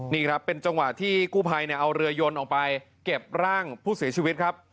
นี่ครับเป็นจังหวะที่กู้ภัยเอาเรือยนออกไปเก็บร่างผู้เสียชีวิตครับ